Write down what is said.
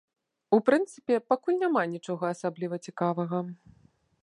У прынцыпе, пакуль няма нічога асабліва цікавага.